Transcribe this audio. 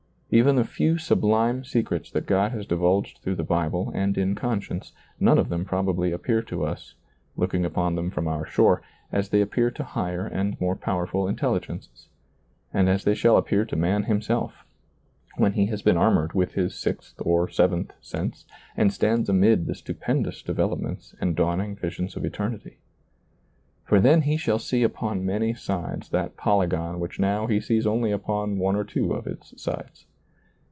Even the few sublime secrets that God has di vulged through the Bible and in conscience, none of them probably appear to us — looking upon them from our shore — as they appear to higher and more powerful intelligences, and as they shall appear to man himself when he has been armored with his sixth or seventh sense and stands amid the stupendous developments and dawning visions of eternity. For then he shall see upon many sides that polygon which now he sees only upon one or two of its sides.